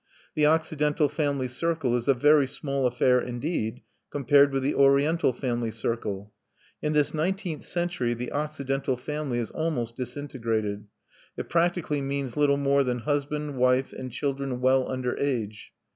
The Occidental family circle is a very small affair indeed compared with the Oriental family circle. In this nineteenth century the Occidental family is almost disintegrated; it practically means little more than husband, wife, and children well under age.